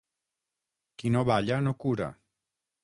Qui no balla no cura.